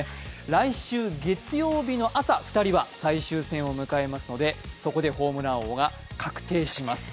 来週月曜日の朝、２人は最終戦を迎えますのでそこでホームラン王が確定します。